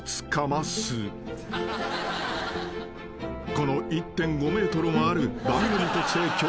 ［この１．５ｍもある］